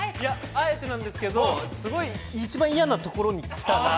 あえてなんですけど、一番嫌なところに来たなって。